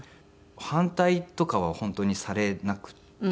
反対とかは本当にされなくて。